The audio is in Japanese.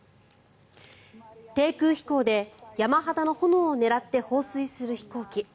低空飛行で山肌の炎を狙って放水する飛行機。